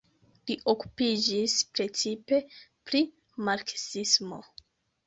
Li okupiĝis precipe pri marksismo.